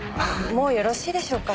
もうよろしいでしょうか。